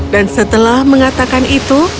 dan setelah mengatakan itu